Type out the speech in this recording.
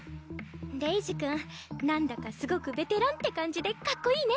レイジ君なんだかすごくベテランって感じでかっこいいね。